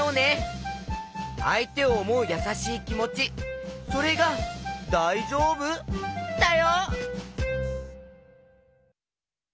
あいてをおもうやさしいきもちそれが「だいじょうぶ？」だよ！